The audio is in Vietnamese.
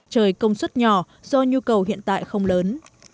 trời công suất nhỏ do nhu cầu hiện tại không lớn